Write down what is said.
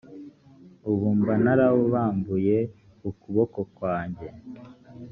ubu mba nararambuye ukuboko kwanjye